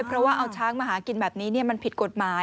เพราะว่าเอาช้างมาหากินแบบนี้มันผิดกฎหมาย